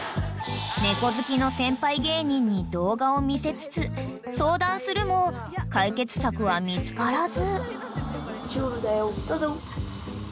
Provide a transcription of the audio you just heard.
［猫好きの先輩芸人に動画を見せつつ相談するも解決策は見つからず］